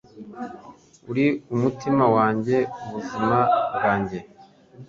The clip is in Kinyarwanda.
Uri umutima wanjye ubuzima bwanjye